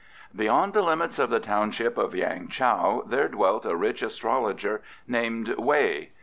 BEYOND the limits of the township of Yang chow there dwelt a rich astrologer named Wei.